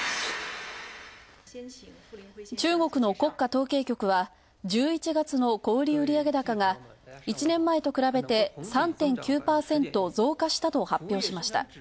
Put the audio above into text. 中国の国家統計局は１１月の小売売上高が１年前と比べて３．９％増加したと発表しました。